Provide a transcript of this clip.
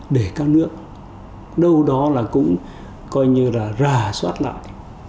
để các nước đâu đó là cũng coi như là rà soát lại